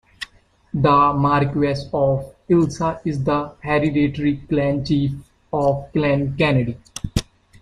The Marquess of Ailsa is the hereditary Clan Chief of Clan Kennedy.